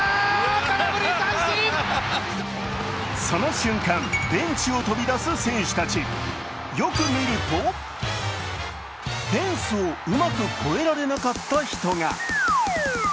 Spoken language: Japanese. その瞬間、ベンチを飛び出す選手たち、よく見るとフェンスをうまく越えられなかった人が。